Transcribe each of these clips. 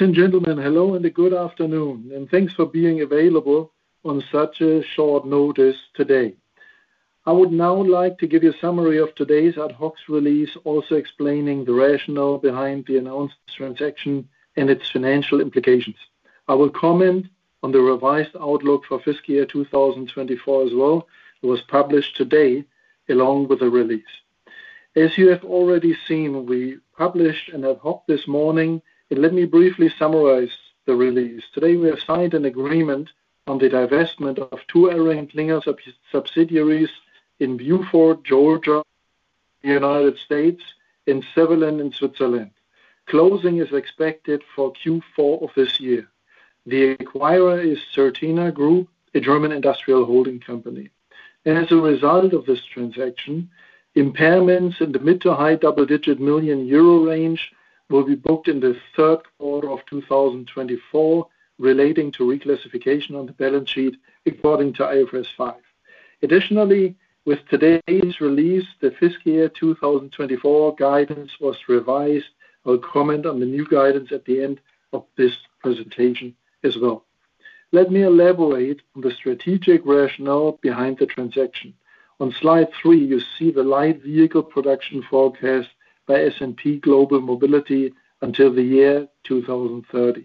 Ladies and gentlemen, hello, and a good afternoon, and thanks for being available on such a short notice today. I would now like to give you a summary of today's ad hoc release, also explaining the rationale behind the announced transaction and its financial implications. I will comment on the revised outlook for fiscal year 2024 as well. It was published today along with the release. As you have already seen, we published an ad hoc this morning, and let me briefly summarize the release. Today, we have signed an agreement on the divestment of two ElringKlinger subsidiaries in Buford, Georgia, the United States, and Sevelen in Switzerland. Closing is expected for Q4 of this year. The acquirer is Certina Group, a German industrial holding company. As a result of this transaction, impairments in the mid- to high double-digit million euro range will be booked in the third quarter of 2024, relating to reclassification on the balance sheet, according to IFRS 5. Additionally, with today's release, the fiscal year 2024 guidance was revised. I'll comment on the new guidance at the end of this presentation as well. Let me elaborate on the strategic rationale behind the transaction. On Slide 3, you see the light vehicle production forecast by S&P Global Mobility until the year 2030.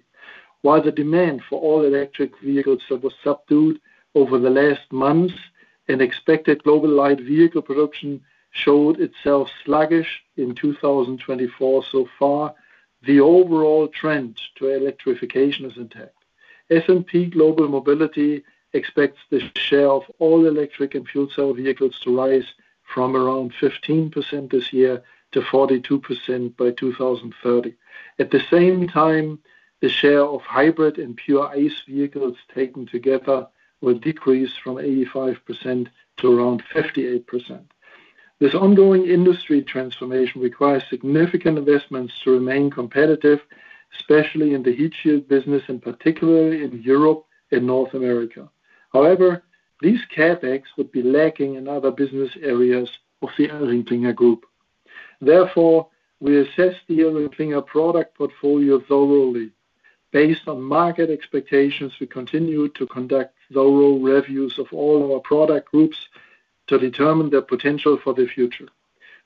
While the demand for all-electric vehicles was subdued over the last months, and expected global light vehicle production showed itself sluggish in 2024 so far, the overall trend to electrification is intact. S&P Global Mobility expects the share of all electric and fuel cell vehicles to rise from around 15% this year to 42% by 2030. At the same time, the share of hybrid and pure ICE vehicles taken together will decrease from 85% to around 58%. This ongoing industry transformation requires significant investments to remain competitive, especially in the heat shield business and particularly in Europe and North America. However, these CapEx would be lacking in other business areas of the ElringKlinger Group. Therefore, we assess the ElringKlinger product portfolio thoroughly. Based on market expectations, we continue to conduct thorough reviews of all our product groups to determine their potential for the future.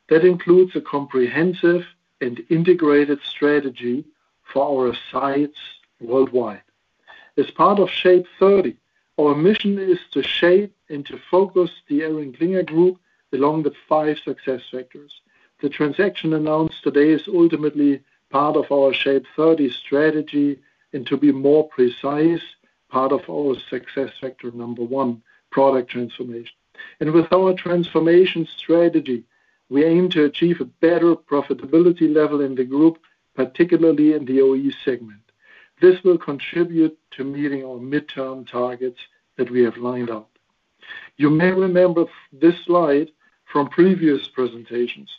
That includes a comprehensive and integrated strategy for our sites worldwide. As part of SHAPE30, our mission is to shape and to focus the ElringKlinger Group along the five success vectors. The transaction announced today is ultimately part of our SHAPE30 strategy, and to be more precise, part of our success factor number one, product transformation. And with our transformation strategy, we aim to achieve a better profitability level in the group, particularly in the OE segment. This will contribute to meeting our mid-term targets that we have lined up. You may remember this slide from previous presentations.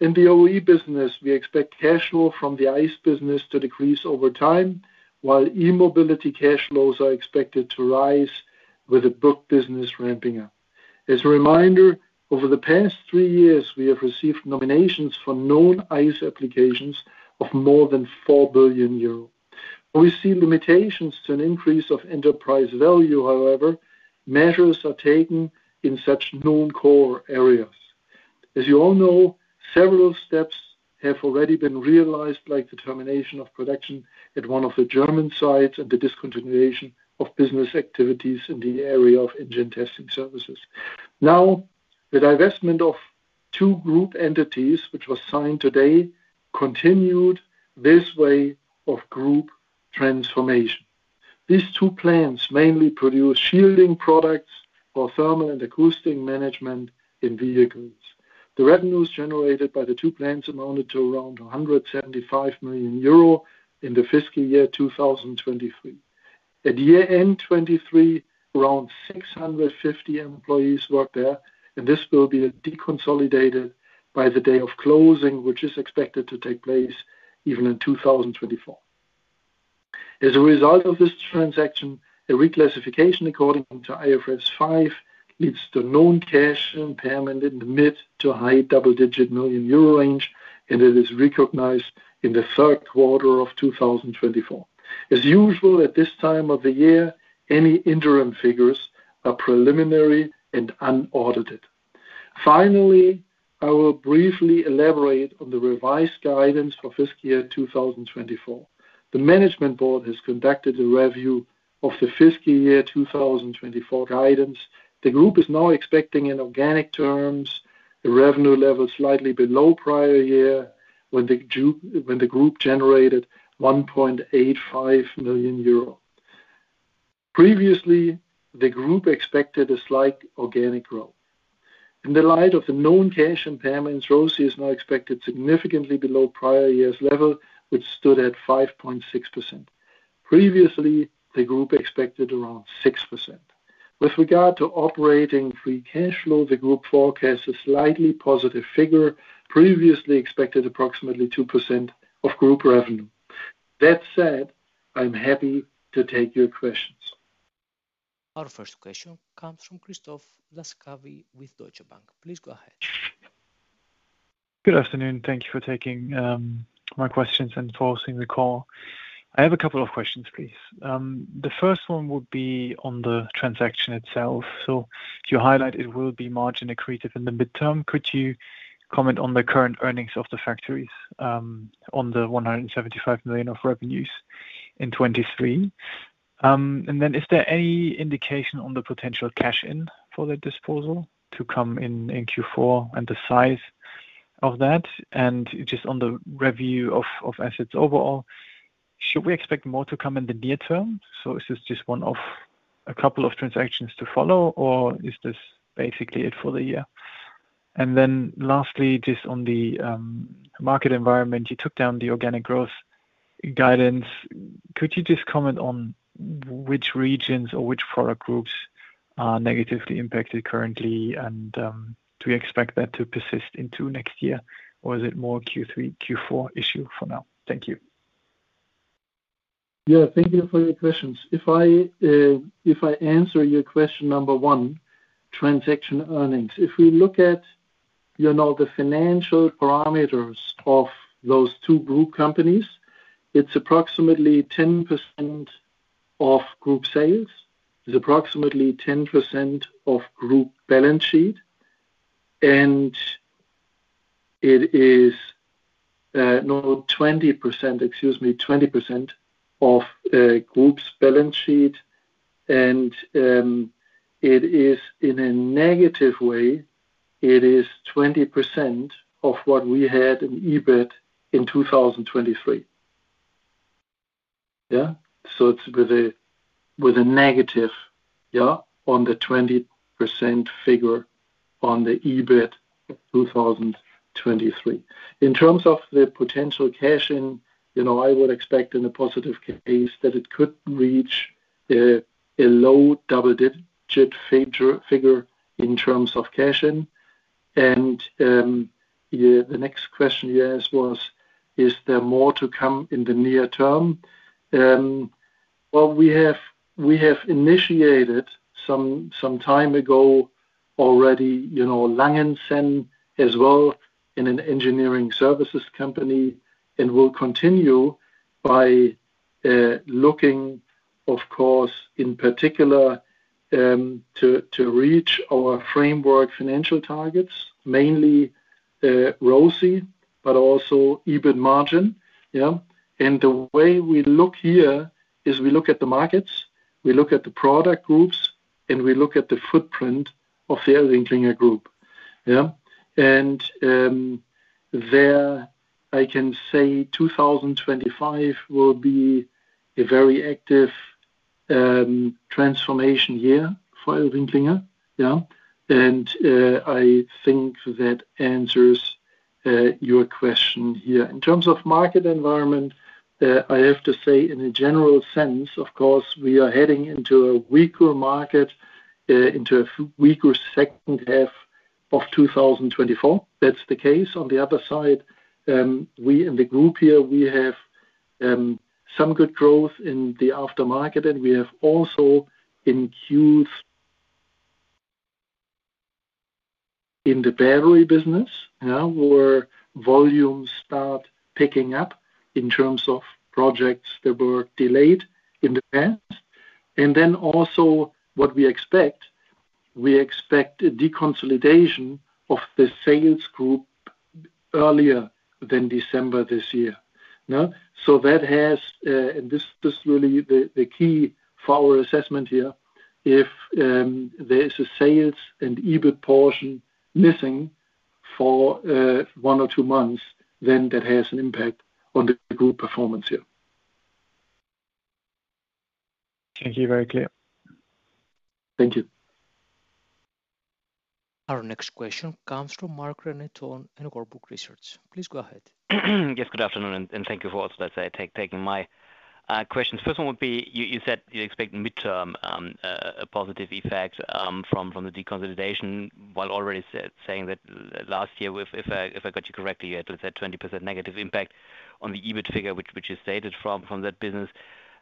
In the OE business, we expect cash flow from the ICE business to decrease over time, while e-mobility cash flows are expected to rise with the e-mobility business ramping up. As a reminder, over the past three years, we have received nominations for known ICE applications of more than 4 billion euro. We see limitations to an increase of enterprise value, however, measures are taken in such non-core areas. As you all know, several steps have already been realized, like the termination of production at one of the German sites and the discontinuation of business activities in the area of engine testing services. Now, the divestment of two group entities, which was signed today, continued this way of group transformation. These two plants mainly produce shielding products for thermal and acoustic management in vehicles. The revenues generated by the two plants amounted to around 175 million euro in the fiscal year 2023. At year-end 2023, around 650 employees worked there, and this will be deconsolidated by the day of closing, which is expected to take place even in 2024. As a result of this transaction, a reclassification according to IFRS 5 leads to known cash impairment in the mid- to high double-digit million EUR range, and it is recognized in the third quarter of 2024. As usual, at this time of the year, any interim figures are preliminary and unaudited. Finally, I will briefly elaborate on the revised guidance for fiscal year 2024. The management board has conducted a review of the fiscal year 2024 guidance. The group is now expecting, in organic terms, the revenue level slightly below prior year when the group generated 1.85 million EUR. Previously, the group expected a slight organic growth. In the light of the known cash impairments, ROCE is now expected significantly below prior year's level, which stood at 5.6%. Previously, the group expected around 6%. With regard to operating free cash flow, the group forecasts a slightly positive figure, previously expected approximately 2% of group revenue. That said, I'm happy to take your questions. Our first question comes from Christoph Laskawi with Deutsche Bank. Please go ahead.... Good afternoon. Thank you for taking my questions and hosting the call. I have a couple of questions, please. The first one would be on the transaction itself. So you highlight it will be margin accretive in the midterm. Could you comment on the current earnings of the factories on the 175 million of revenues in 2023? And then is there any indication on the potential cash in for the disposal to come in, in Q4 and the size of that? And just on the review of assets overall, should we expect more to come in the near term? So is this just one of a couple of transactions to follow, or is this basically it for the year? And then lastly, just on the market environment, you took down the organic growth guidance. Could you just comment on which regions or which product groups are negatively impacted currently? And, do you expect that to persist into next year, or is it more Q3, Q4 issue for now? Thank you. Yeah. Thank you for your questions. If I answer your question number one, transaction earnings. If we look at, you know, the financial parameters of those two group companies, it's approximately 10% of group sales, is approximately 10% of group balance sheet, and it is, no, 20%, excuse me, 20% of group's balance sheet. And it is in a negative way, it is 20% of what we had in EBIT in 2023. Yeah. So it's with a negative on the 20% figure on the EBIT 2023. In terms of the potential cash in, you know, I would expect in a positive case that it could reach a low double-digit figure in terms of cash in. The next question you asked was, is there more to come in the near-term? Well, we have initiated some time ago already, you know, Langenzenn as well, in an engineering services company, and will continue by looking, of course, in particular, to reach our framework financial targets, mainly ROCE, but also EBIT margin. Yeah. And the way we look here is we look at the markets, we look at the product groups, and we look at the footprint of the ElringKlinger group. Yeah. And there, I can say 2025 will be a very active transformation year for ElringKlinger. Yeah. And I think that answers your question here. In terms of market environment, I have to say, in a general sense, of course, we are heading into a weaker market, into a weaker second half of 2024. That's the case. On the other side, we in the group here, we have some good growth in the aftermarket, and we have also incurred in the battery business, you know, where volumes start picking up in terms of projects that were delayed in the past. And then also what we expect, we expect deconsolidation of the sales group earlier than December this year. No? So that has, and this really the key for our assessment here. If there is a sales and EBIT portion missing for one or two months, then that has an impact on the group performance here. Thank you. Very clear. Thank you. Our next question comes from Marc-René Tonn in Warburg Research. Please go ahead. Yes, good afternoon, and thank you for also, let's say, taking my questions. First one would be, you said you expect mid-term a positive effect from the deconsolidation, while already said, saying that last year, if I got you correctly, you had, let's say, 20% negative impact on the EBIT figure, which you stated from that business.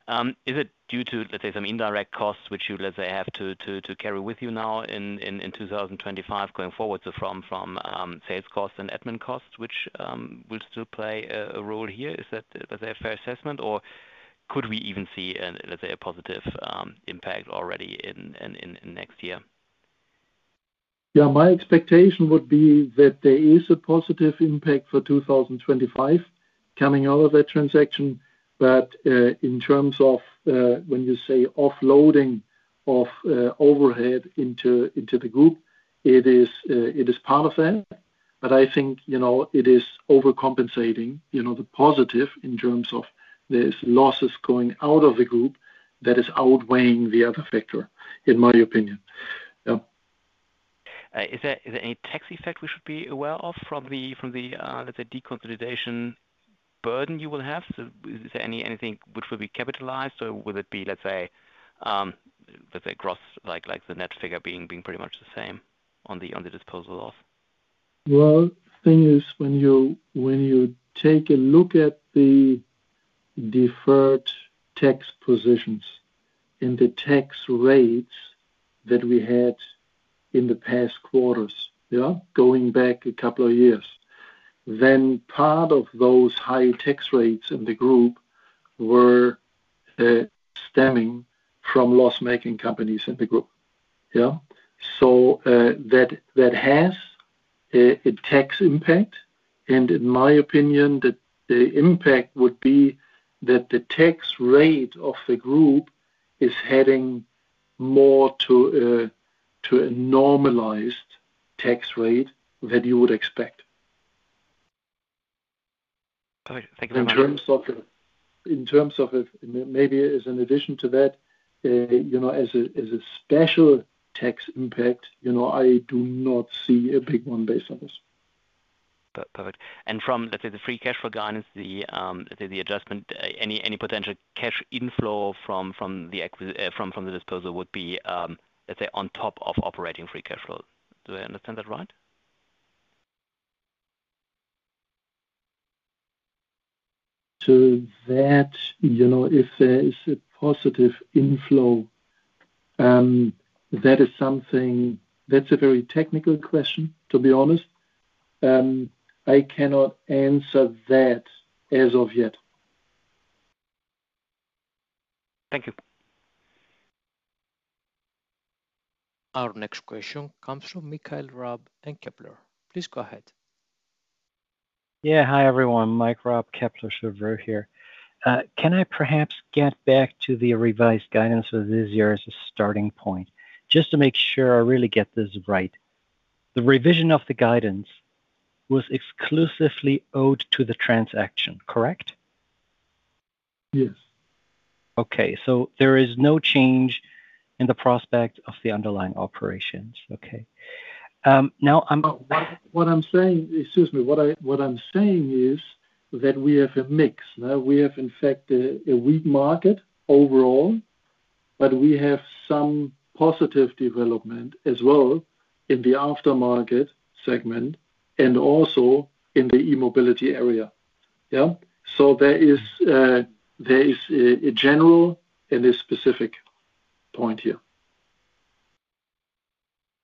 Is it due to, let's say, some indirect costs which you, let's say, have to carry with you now in 2025 going forward, so from sales costs and admin costs, which will still play a role here? Is that a fair assessment, or could we even see an, let's say, a positive impact already in next year? Yeah. My expectation would be that there is a positive impact for 2025 coming out of that transaction. But, in terms of, when you say offloading of, overhead into, into the group, it is, it is part of that, but I think, you know, it is overcompensating, you know, the positive in terms of there's losses going out of the group that is outweighing the other factor, in my opinion. Yeah. Is there any tax effect we should be aware of from the let's say deconsolidation burden you will have? So is there anything which will be capitalized, or will it be, let's say, gross, like the net figure being pretty much the same on the disposal of? The thing is, when you take a look at the deferred tax positions and the tax rates that we had in the past quarters. Yeah, going back a couple of years, then part of those high tax rates in the group were stemming from loss-making companies in the group. Yeah? That has a tax impact, and in my opinion, the impact would be that the tax rate of the group is heading more to a normalized tax rate than you would expect. Okay, thank you very much. In terms of it, maybe as an addition to that, you know, as a special tax impact, you know, I do not see a big one based on this. Perfect. And from, let's say, the free cash flow guidance, the, let's say, the adjustment, any potential cash inflow from the disposal would be, let's say, on top of operating free cash flow. Do I understand that right? To that, you know, if there is a positive inflow, that is something. That's a very technical question, to be honest. I cannot answer that as of yet. Thank you. Our next question comes from Michael Raab in Kepler. Please go ahead. Yeah. Hi, everyone, Michael Raab, Kepler Cheuvreux here. Can I perhaps get back to the revised guidance of this year as a starting point, just to make sure I really get this right? The revision of the guidance was exclusively owed to the transaction, correct? Yes. Okay, so there is no change in the prospect of the underlying operations. Okay, now I'm- What I'm saying is that we have a mix. Now, we have, in fact, a weak market overall, but we have some positive development as well in the aftermarket segment and also in the e-mobility area. Yeah? So there is a general and a specific point here.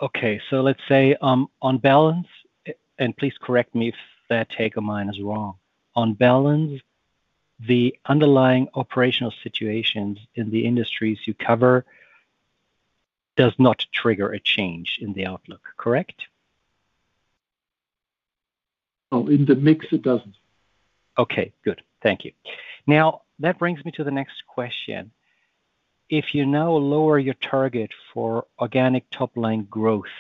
Okay, so let's say, on balance, and please correct me if that take of mine is wrong. On balance, the underlying operational situations in the industries you cover does not trigger a change in the outlook, correct? Well, in the mix, it doesn't. Okay, good. Thank you. Now, that brings me to the next question. If you now lower your target for organic top-line growth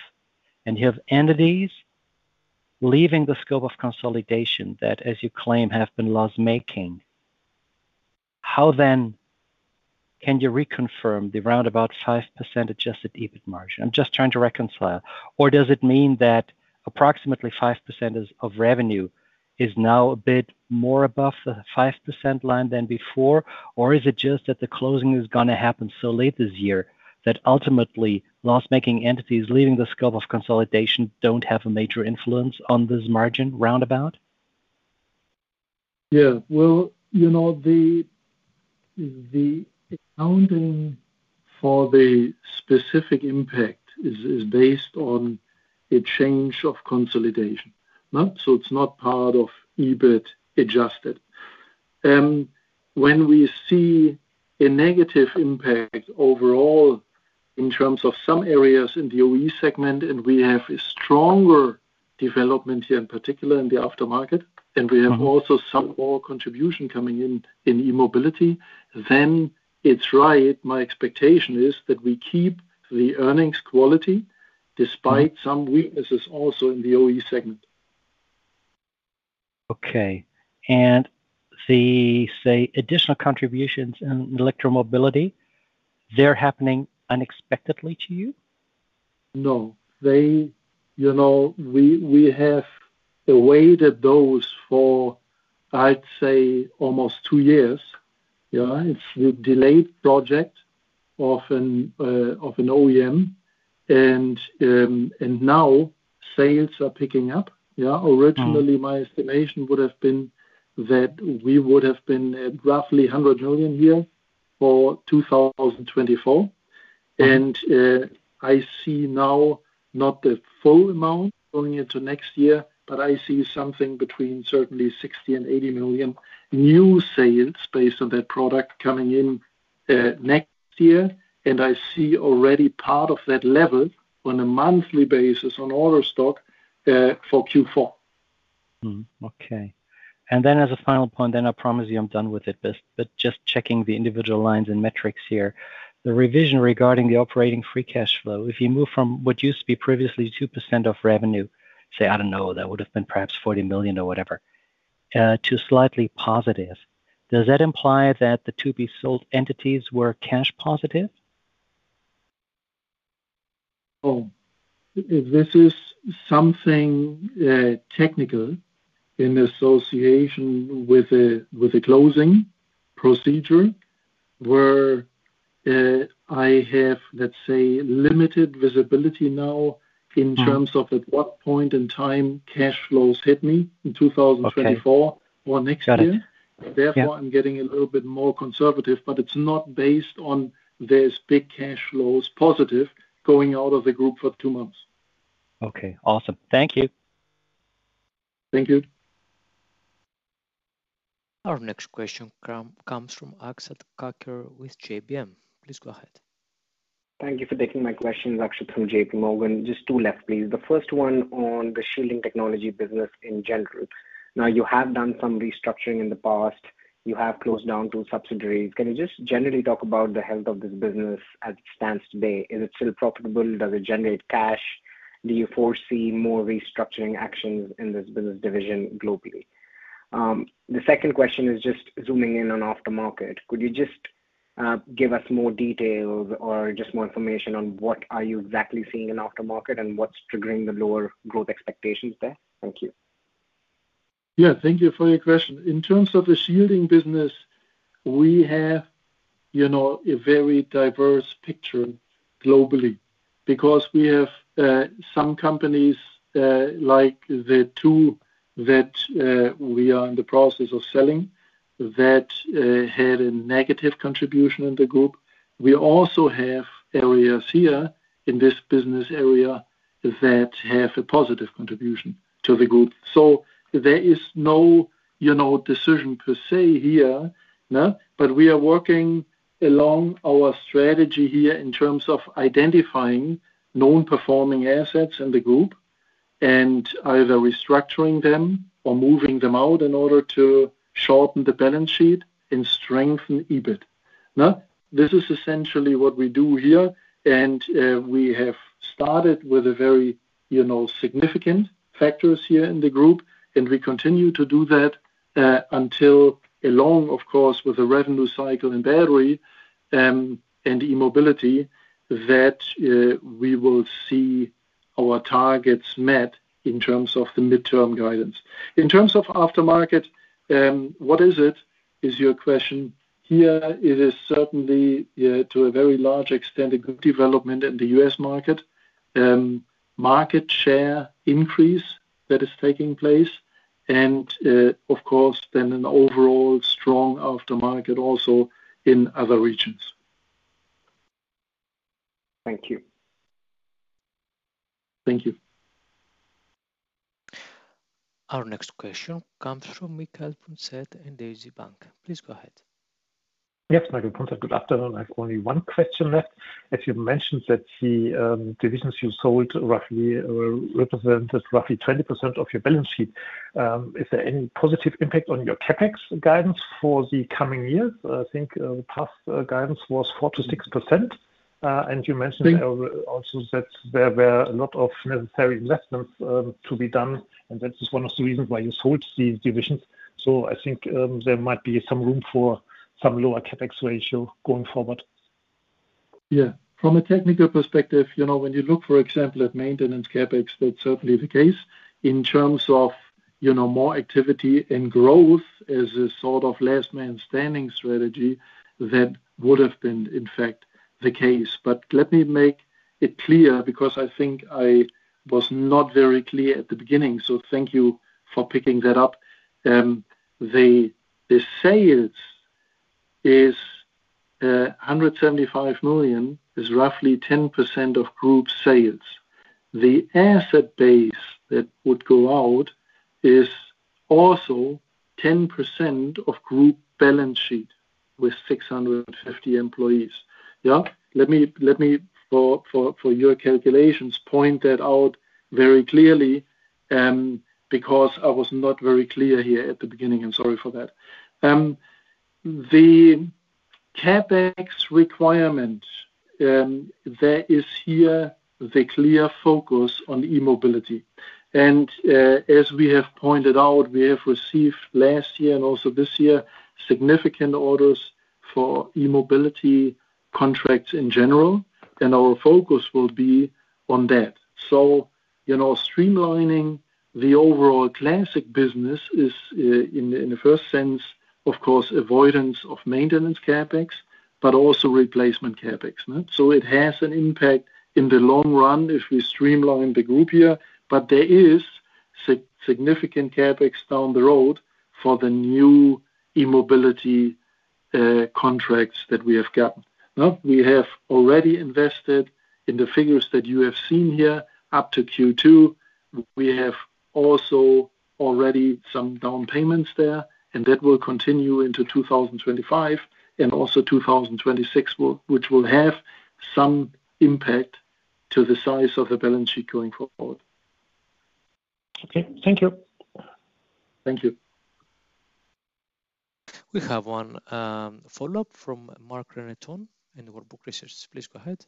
and you have entities leaving the scope of consolidation that, as you claim, have been loss-making, how then can you reconfirm the roundabout 5% adjusted EBIT margin? I'm just trying to reconcile. Or does it mean that approximately 5% is, of revenue, is now a bit more above the 5% line than before? Or is it just that the closing is gonna happen so late this year that ultimately, loss-making entities leaving the scope of consolidation don't have a major influence on this margin roundabout? Yeah, well, you know, the accounting for the specific impact is based on a change of consolidation. So it's not part of EBIT adjusted. When we see a negative impact overall in terms of some areas in the OE segment, and we have a stronger development here, in particular in the aftermarket, and we have also some more contribution coming in in e-mobility, then it's right. My expectation is that we keep the earnings quality despite some weaknesses also in the OE segment. Okay. And the, say, additional contributions in electromobility, they're happening unexpectedly to you? No. They, you know, we have awaited those for, I'd say, almost two years. Yeah, it's a delayed project of an OEM, and now sales are picking up. Yeah. Originally, my estimation would have been that we would have been at roughly 100 million here for 2024. And I see now not the full amount going into next year, but I see something between certainly 60 million and 80 million new sales based on that product coming in next year, and I see already part of that level on a monthly basis on order stock for Q4. Okay. And then as a final point, I promise you I'm done with it, but just checking the individual lines and metrics here. The revision regarding the operating free cash flow, if you move from what used to be previously 2% of revenue, say, I don't know, that would have been perhaps 40 million or whatever, to slightly positive. Does that imply that the to-be-sold entities were cash positive? Oh, this is something technical in association with a closing procedure, where I have, let's say, limited visibility now in- terms of at what point in time cash flows hit in 2024 Okay. or next year. Got it. Yeah. Therefore, I'm getting a little bit more conservative, but it's not based on this big cash flows positive going out of the group for two months. Okay. Awesome. Thank you. Thank you. Our next question comes from Akshat Kacker with JPM. Please go ahead. Thank you for taking my questions. Akshat from J.P. Morgan. Just two left, please. The first one on the shielding technology business in general. Now, you have done some restructuring in the past. You have closed down two subsidiaries. Can you just generally talk about the health of this business as it stands today? Is it still profitable? Does it generate cash? Do you foresee more restructuring actions in this business division globally? The second question is just zooming in on aftermarket. Could you just give us more details or just more information on what are you exactly seeing in aftermarket and what's triggering the lower growth expectations there? Thank you. Yeah, thank you for your question. In terms of the shielding business, we have, you know, a very diverse picture globally because we have some companies, like the two that we are in the process of selling, that had a negative contribution in the group. We also have areas here in this business area that have a positive contribution to the group. So there is no, you know, decision per se here. No? But we are working along our strategy here in terms of identifying non-performing assets in the group and either restructuring them or moving them out in order to shorten the balance sheet and strengthen EBIT. Now, this is essentially what we do here, and we have started with a very, you know, significant factors here in the group, and we continue to do that until along, of course, with the revenue cycle in battery and e-mobility, that we will see our targets met in terms of the mid-term guidance. In terms of aftermarket, what is it, is your question. Here, it is certainly to a very large extent a good development in the U.S. market. Market share increase that is taking place and, of course, then an overall strong aftermarket also in other regions. Thank you. Thank you. Our next question comes from Michael Punzet in DZ Bank. Please go ahead. Yes, Michael Punzet. Good afternoon. I have only one question left. As you mentioned that the divisions you sold roughly represented 20% of your balance sheet, is there any positive impact on your CapEx guidance for the coming years? I think past guidance was 4%-6%. And you mentioned- Yes Also that there were a lot of necessary investments to be done, and that is one of the reasons why you sold these divisions, so I think there might be some room for some lower CapEx ratio going forward. Yeah. From a technical perspective, you know, when you look, for example, at maintenance CapEx, that's certainly the case. In terms of, you know, more activity and growth as a sort of last-man-standing strategy, that would have been, in fact, the case. But let me make it clear, because I think I was not very clear at the beginning, so thank you for picking that up. The sales is 175 million, is roughly 10% of group sales. The asset base that would go out is also 10% of group balance sheet, with 650 employees. Yeah? Let me, for your calculations, point that out very clearly, because I was not very clear here at the beginning. I'm sorry for that. The CapEx requirement, there is here the clear focus on e-mobility. As we have pointed out, we have received last year and also this year significant orders for e-mobility contracts in general, and our focus will be on that. So, you know, streamlining the overall classic business is, in the first sense, of course, avoidance of maintenance CapEx, but also replacement CapEx. So it has an impact in the long run if we streamline the group here, but there is significant CapEx down the road for the new e-mobility contracts that we have gotten. Now, we have already invested in the figures that you have seen here up to Q2. We have also already some down payments there, and that will continue into 2025 and also 2026, which will have some impact to the size of the balance sheet going forward. Okay. Thank you. Thank you. We have one follow-up from Marc-René Tonn in Warburg Research. Please go ahead.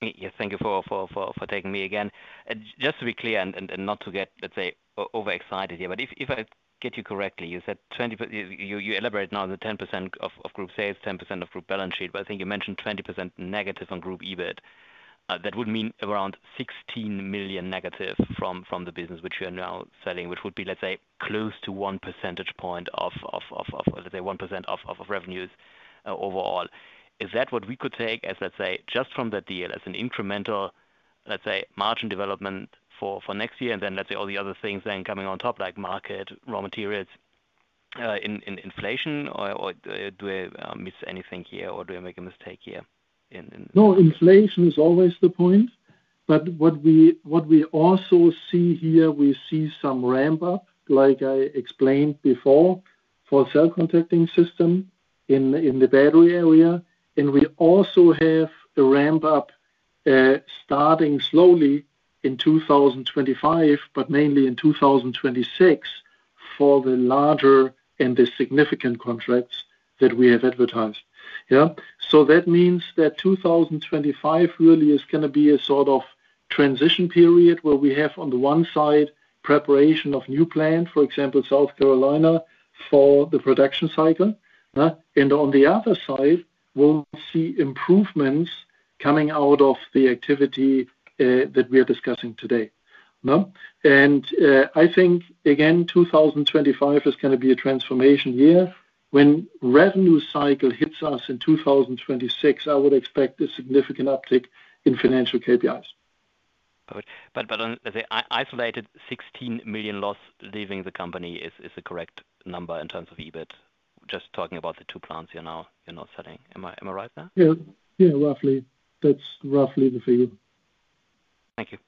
Yes, thank you for taking me again. And just to be clear and not to get, let's say, overexcited here, but if I get you correctly, you said 20%. You elaborated now the 10% of group sales, 10% of group balance sheet, but I think you mentioned 20%- on group EBIT. That would mean around 16 million- from the business, which you are now selling, which would be, let's say, close to one percentage point of, let's say, 1% of revenues overall. Is that what we could take as, let's say, just from that deal as an incremental, let's say, margin development for next year, and then, let's say, all the other things then coming on top, like market, raw materials, in inflation? Or do I miss anything here, or do I make a mistake here in No, inflation is always the point, but what we also see here, we see some ramp-up, like I explained before, for cell contacting system in the battery area, and we also have a ramp-up starting slowly in 2025, but mainly in 2026, for the larger and the significant contracts that we have advertised. Yeah? So that means that 2025 really is gonna be a sort of transition period, where we have, on the one side, preparation of new plant, for example, South Carolina, for the production cycle, huh? And on the other side, we'll see improvements coming out of the activity that we are discussing today. No? And I think, again, 2025 is gonna be a transformation year. When revenue cycle hits us in 2026, I would expect a significant uptick in financial KPIs. But on the isolated 16 million loss leaving the company is the correct number in terms of EBIT. Just talking about the two plants you're now selling. Am I right there? Yeah. Yeah, roughly. That's roughly the figure. Thank you.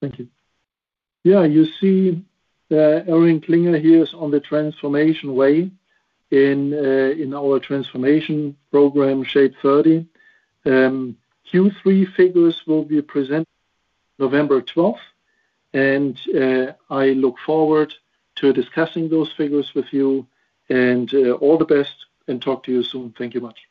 Thank you. Yeah, you see, ElringKlinger here is on the transformation way in our transformation program, SHAPE30. Q3 figures will be presented November 12th, and I look forward to discussing those figures with you, and all the best, and talk to you soon. Thank you much.